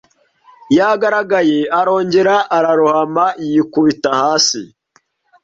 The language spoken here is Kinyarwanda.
yagaragaye arongera ararohama yikubita hasi